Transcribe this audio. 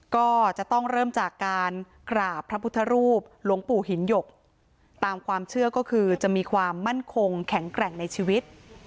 ก็จะต้องเริ่มจากการกราบพระพุทธรูปหลวงปู่หินหยกตามความเชื่อก็คือจะมีความมั่นคงแข็งแกร่งในชีวิต